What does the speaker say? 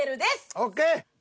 ＯＫ！